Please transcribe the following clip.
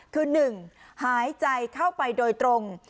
คือ๑หายใจเข้าไปโดยตรง